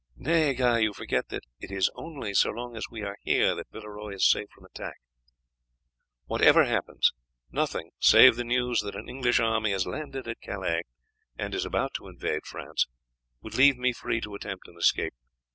"Nay, Guy, you forget that it is only so long as we are here that Villeroy is safe from attack. Whatever happens, nothing, save the news that an English army has landed at Calais, and is about to invade France, would leave me free to attempt an escape.